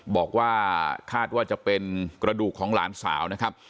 บอกว่าคาดว่าจะเป็นกระดูกของหลานสาวนะครับ